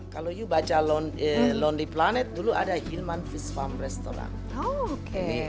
kalau lu baca lonely planet dulu ada hillman fish farm restaurant